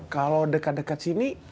kalau dekat dekat sini